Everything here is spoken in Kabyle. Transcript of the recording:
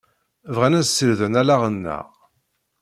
Bɣan ad sirden allaɣ-nneɣ.